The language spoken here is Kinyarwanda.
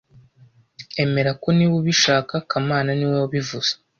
Emera ko niba ubishaka kamana niwe wabivuze